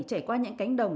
trải qua những cánh đồng